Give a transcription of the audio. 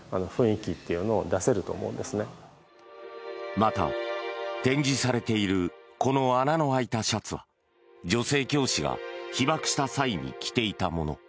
また、展示されているこの穴の開いたシャツは女性教師が被爆した際に着ていたもの。